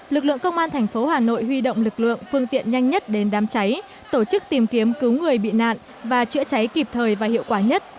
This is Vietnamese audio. lực lượng công an thành phố hà nội huy động lực lượng phương tiện nhanh nhất đến đám cháy tổ chức tìm kiếm cứu người bị nạn và chữa cháy kịp thời và hiệu quả nhất